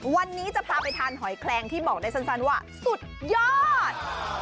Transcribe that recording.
วันนี้จะพาไปทานหอยแคลงที่บอกได้สั้นว่าสุดยอด